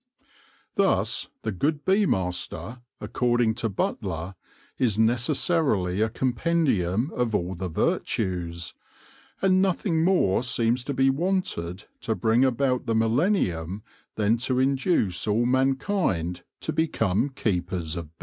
Thus, the good bee master, according to Butler, is necessarily a com pendium of all the virtues ; and nothing more seems to be wanted to bring about the millennium than to vnduce all mankind to become keepers of bees.